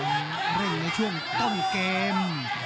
อืมเร่งในช่วงต้นเกม